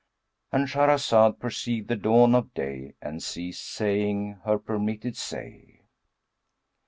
"—And Shahrazad perceived the dawn of day and ceased saying her permitted say.